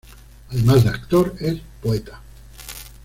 Además de actor, es poeta.